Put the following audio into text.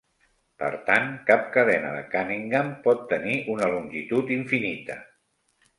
Per tant, cap cadena de Cunningham pot tenir una longitud infinita.